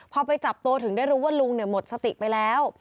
พอไปจับตัวถึงได้รู้ว่าลุงหมดสติไปแล้ว